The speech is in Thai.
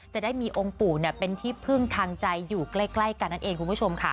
จะได้มีองค์ปู่เป็นที่พึ่งทางใจอยู่ใกล้กันนั่นเองคุณผู้ชมค่ะ